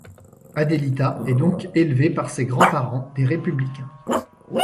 Adelita est donc élevée par ses grands parents, des républicains.